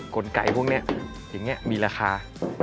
กลไกพวกนี้มีราคา